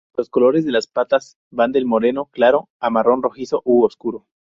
Los colores de las pastas van del moreno claro al marrón rojizo u oscuro.